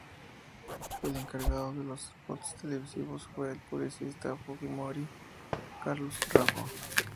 El encargado de los spots televisivos fue el publicista de Fujimori, Carlos Raffo.